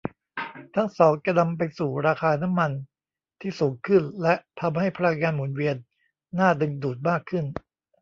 ทั้งสองจะนำไปสู่ราคาน้ำมันที่สูงขึ้นและทำให้พลังงานหมุนเวียนน่าดึงดูดมากขึ้น